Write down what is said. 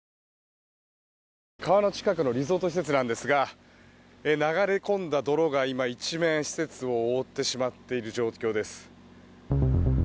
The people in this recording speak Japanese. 川の近くのリゾート施設なんですが流れ込んだ泥が、一面施設を覆ってしまっている状況です。